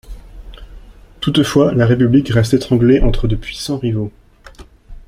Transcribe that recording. Toutefois, la république reste étranglée entre de puissants rivaux.